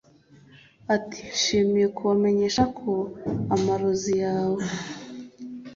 Ati Nishimiye kubamenyesha ko amarozi yawe